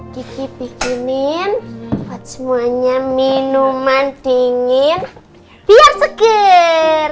gigi bikinin buat semuanya minuman dingin biar seger